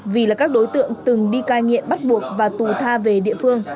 vì là các đối tượng từng đi cai nghiện bắt buộc và tù tha về địa phương